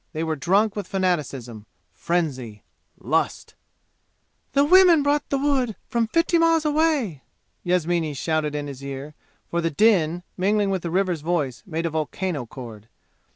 They were drunk with fanaticism, frenzy, lust! "The women brought that wood from fifty miles away!" Yasmini shouted in his ear; for the din, mingling with the river's voice, made a volcano chord.